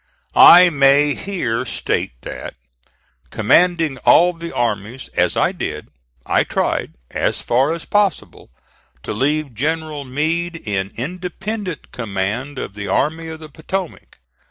I may here state that, commanding all the armies as I did, I tried, as far as possible, to leave General Meade in independent command of the Army of the Potomac.